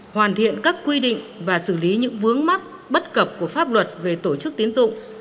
hoàn thiện các quy định và xử lý những vướng mắc bất cập của pháp luật về tổ chức tiến dụng